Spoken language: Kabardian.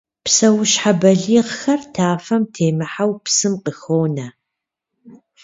Псэущхьэ балигъхэр тафэм темыхьэу псым къыхонэ.